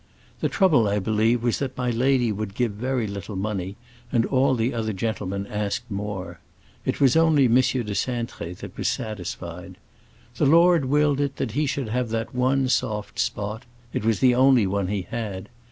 The trouble, I believe, was that my lady would give very little money, and all the other gentlemen asked more. It was only M. de Cintré that was satisfied. The Lord willed it he should have that one soft spot; it was the only one he had.